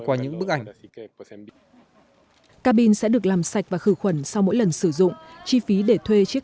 qua những bức ảnh cabin sẽ được làm sạch và khử khuẩn sau mỗi lần sử dụng chi phí để thuê chiếc